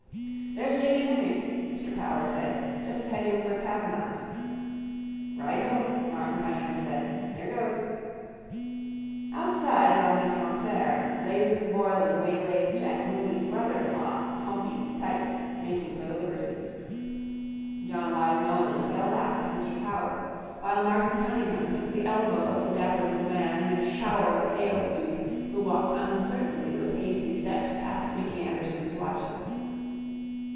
—There's Jimmy Henry, Mr Power said, just heading for Kavanagh's. —Righto, Martin Cunningham said. Here goes. Outside la Maison Claire Blazes Boylan waylaid Jack Mooney's brother in law, humpy, tight, making for the liberties. John Wyse Nolan fell back with Mr Power, while Martin Cunningham took the elbow of a dapper little man in a shower of hail suit, who walked uncertainly, with hasty steps past Micky Anderson's watches.